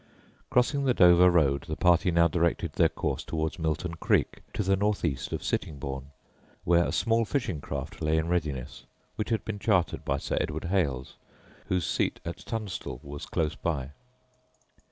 Crossing the Dover road, the party now directed their course towards Milton Creek, to the north east of Sittingbourne, where a small fishing craft lay in readiness, which had been chartered by Sir Edward Hales, whose seat at Tunstall was close by.